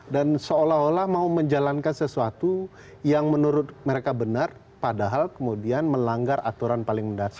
dan seolah olah mau menjalankan sesuatu yang menurut mereka benar padahal kemudian melanggar aturan paling mendasar